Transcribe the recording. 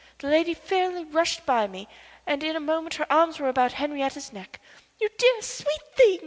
The lady fairly rushed by me, and in a moment her arms were about Henriette's neck. "You dear, sweet thing!"